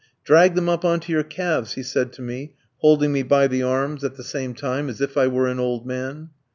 "Drag them up on to your calves," he said to me, holding me by the arms at the same time, as if I were an old man.